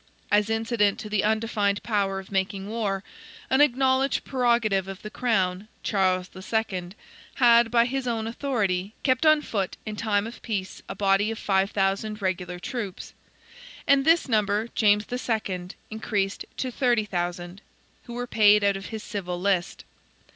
As incident to the undefined power of making war, an acknowledged prerogative of the crown, Charles II. had, by his own authority, kept on foot in time of peace a body of 5,000 regular troops. And this number James II. increased to 30,000; who were paid out of his civil list.